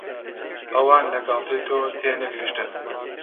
ئەوان لە گاڵتەی تۆ تێنەگەیشتن.